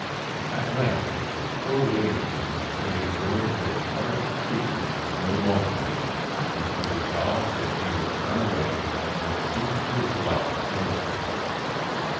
At length poor Whittington could endure this harsh treatment no longer, and he resolved that he would run away and seek his luck elsewhere.